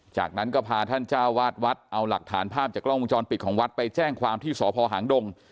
จากนั้นก็พาท่านเจ้าวาดวัดเอาหลักฐานภาพจากกล้องวงจรปิดของวัดไปแจ้งความที่สพหางดง